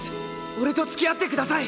俺と付き合ってください！